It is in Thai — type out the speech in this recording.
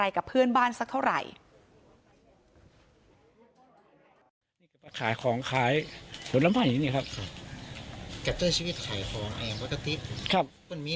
มีเรื่องอีกหรืออะไรครับ